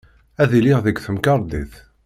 Ad iliɣ deg temkarḍit.